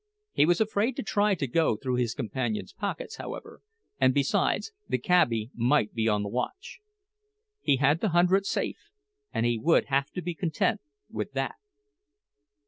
He was afraid to try to go through his companion's pockets, however; and besides the cabbie might be on the watch. He had the hundred safe, and he would have to be content with that.